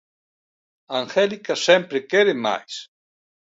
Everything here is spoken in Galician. Angélica sempre quere máis.